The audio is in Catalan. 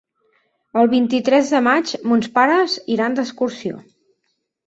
El vint-i-tres de maig mons pares iran d'excursió.